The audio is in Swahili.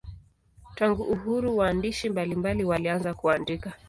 Tangu uhuru waandishi mbalimbali walianza kuandika.